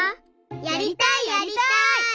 やりたいやりたい！